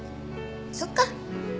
そっか。